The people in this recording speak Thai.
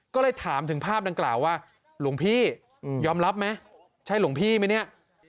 ก็เลยถามถึงภาพดังกล่าวว่าหลวงพี่ยอมรับไหมใช่หลวงพี่ไหมเนี่ย